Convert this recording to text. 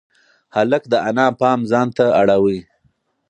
هلک د انا پام ځان ته اړاوه.